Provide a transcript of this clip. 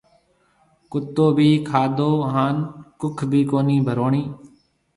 ڪُتو ڀِي کاڌو ھان ڪُک ڀِي ڪونِي ڀروڻِي